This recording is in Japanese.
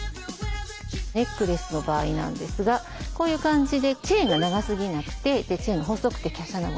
ネックレスの場合なんですがこういう感じでチェーンが長すぎなくてチェーンが細くて華奢なもの。